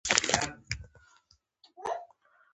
خطونه يې انګريزي وو.